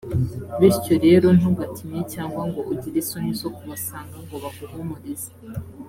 bityo rero ntugatinye cyangwa ngo ugire isoni zo kubasanga ngo baguhumurize .